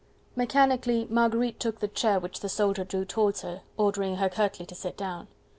Mechanically Marguerite took the chair which the soldier drew towards her, ordering her curtly to sit down.